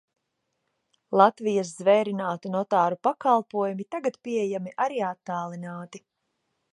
Latvijas zvērinātu notāru pakalpojumi tagad pieejami arī attālināti.